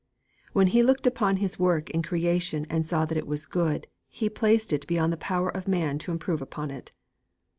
_' When He looked upon His work in Creation and saw that it was good, He placed it beyond the power of man to improve upon it.